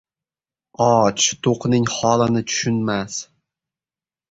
• Och to‘qning holini tushunmas.